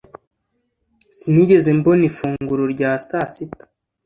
sinigeze mbona ifunguro rya saa sita